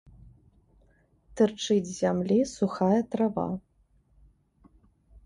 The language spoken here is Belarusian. Тырчыць з зямлі сухая трава.